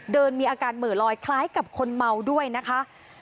มีอาการเหมือลอยคล้ายกับคนเมาด้วยนะคะ